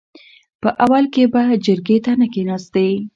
په اول کې به جرګې ته نه کېناستې .